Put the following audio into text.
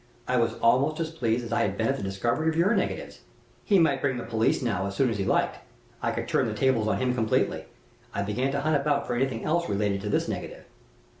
I was almost as pleased as I had been at the discovery of your negatives. He might bring the police now as soon as he liked; I could turn the tables on him completely. I began to hunt about for anything else relating to this negative.